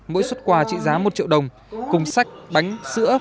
mỗi xuất quà trị giá một triệu đồng cùng sách bánh sữa